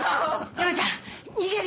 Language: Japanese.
山ちゃん逃げるよ！